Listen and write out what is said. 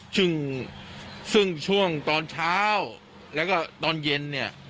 ซึ่งซึ่งช่วงตอนเช้าแล้วก็ตอนเย็นเนี่ย